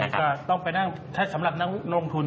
แล้วก็ต้องไปนั่งถ้าสำหรับลงทุน